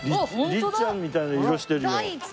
律ちゃんみたいな色してるよ。